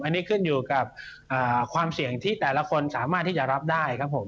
อันนี้ขึ้นอยู่กับความเสี่ยงที่แต่ละคนสามารถที่จะรับได้ครับผม